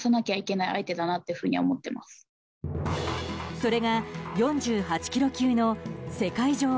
それが４８ｋｇ級の世界女王